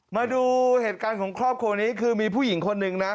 มาดูเหตุการณ์ของครอบครัวนี้คือมีผู้หญิงคนหนึ่งนะ